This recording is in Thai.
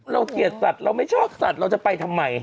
เกลียดสัตว์เราไม่ชอบสัตว์เราจะไปทำไม